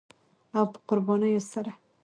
او په قربانیو سره